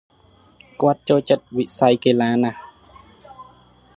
គាត់ ចូលចិត្ត វិស័យកីឡាណាស់ ។